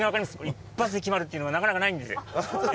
一発で決まるっていうのがなかなかないんです。